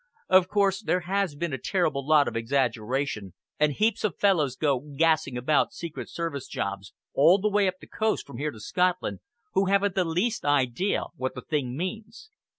Of course, there has been a terrible lot of exaggeration, and heaps of fellows go gassing about secret service jobs, all the way up the coast from here to Scotland, who haven't the least idea what the thing means.